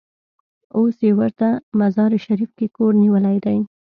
اوس یې ورته مزار شریف کې کور نیولی دی.